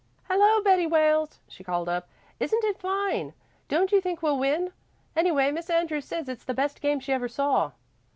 "Hello, Betty Wales," she called up. "Isn't it fine? Don't you think we'll win? Anyway Miss Andrews says it's the best game she ever saw."